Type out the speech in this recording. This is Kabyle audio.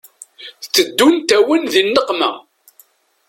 Teddunt-awen di nneqma